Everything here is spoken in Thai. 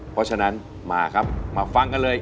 เพราะฉะนั้นมาครับมาฟังกันเลย